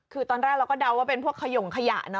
คือตอนแรกเราก็เดาว่าเป็นพวกขยงขยะเนอ